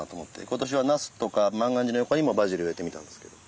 今年はナスとか万願寺の横にもバジル植えてみたんですけど。